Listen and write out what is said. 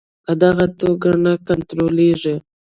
په دغه توګه نه کنټرولیږي.